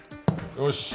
よし。